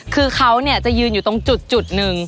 คือเขาจะยืนอยู่ตรงจุดหนึ่ง